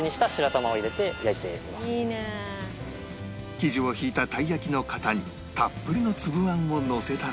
生地を引いたたい焼きの型にたっぷりのつぶあんをのせたら